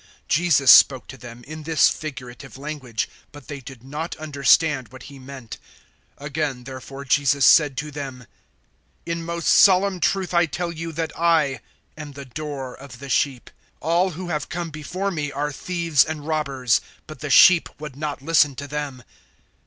010:006 Jesus spoke to them in this figurative language, but they did not understand what He meant. 010:007 Again therefore Jesus said to them, "In most solemn truth I tell you that I am the Door of the sheep. 010:008 All who have come before me are thieves and robbers; but the sheep would not listen to them.